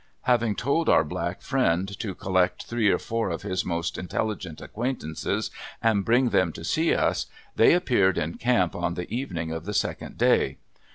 Having told our black friend to collect three or four of his most intelligent acquaintances and bring them to see us, they appeared in camp on the evening of the second day.